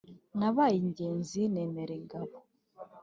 Nabaye ingenzi menera ingabo!